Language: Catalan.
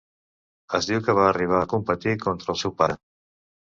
Es diu que va arribar a competir contra el seu pare.